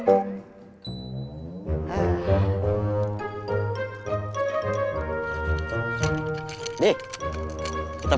oh ya nak